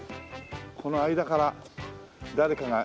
この間から誰かが一瞬。